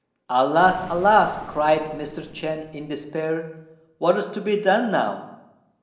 "Alas! alas!" cried Mr. Chên, in despair, "what is to be done now?